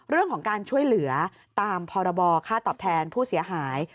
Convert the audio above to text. เรื่องของการช่วยเหลือตามพรบค่าตอบแทนผู้เสียหาย